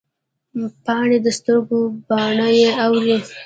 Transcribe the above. پاڼې د سترګو او باڼه یې اوري